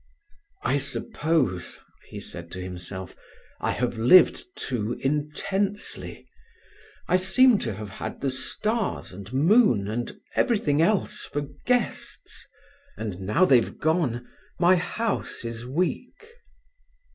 "I suppose," he said to himself, "I have lived too intensely, I seem to have had the stars and moon and everything else for guests, and now they've gone my house is weak."